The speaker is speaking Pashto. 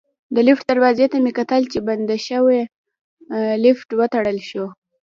د لفټ دروازې ته مې کتل چې بنده شوې، لفټ وتړل شو.